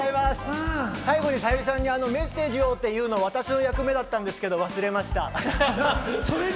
最後にさゆりさんに「メッセージを」っていうの私の役目だったんですが忘れました。